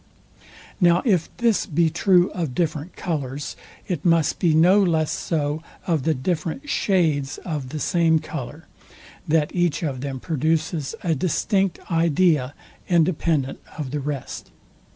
Now if this be true of different colours, it must be no less so of the different shades of the same colour, that each of them produces a distinct idea, independent of the rest.